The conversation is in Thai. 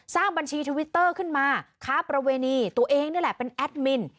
สร้างบัญชีทวิตเตอร์ขึ้นมาค้าประเวณีตัวเองนี่แหละเป็นแอดมิน